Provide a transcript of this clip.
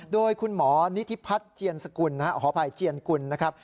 โดยคุณหมอนิธิพัฒน์เจียนสกุลขออภัยเจียนกุลนะครับ